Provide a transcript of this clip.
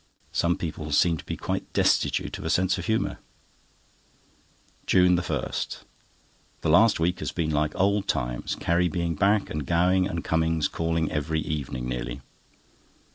Some people seem to be quite destitute of a sense of humour. JUNE 1.—The last week has been like old times, Carrie being back, and Gowing and Cummings calling every evening nearly.